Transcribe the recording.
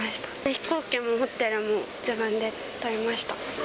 飛行機もホテルも自分で取りました。